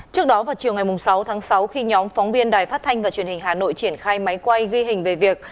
trước đó vào chiều ngày sáu tháng sáu khi nhóm phóng viên đài phát thanh và truyền hình hà nội triển khai máy quay ghi hình về việc